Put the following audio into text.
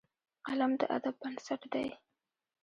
قلم د ادب بنسټ دی